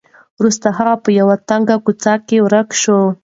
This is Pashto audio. وروسته هغه په یوه تنګه کوڅه کې ورک شو.